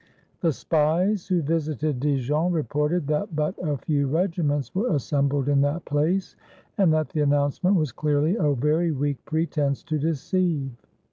The spies who visited Dijon reported that but a few regiments were assembled in that place, and that the announcement was clearly a very weak pretense to deceive.